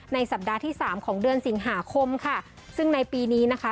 สัปดาห์ที่สามของเดือนสิงหาคมค่ะซึ่งในปีนี้นะคะ